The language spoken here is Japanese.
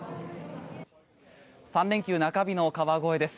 ３連休中日の川越です。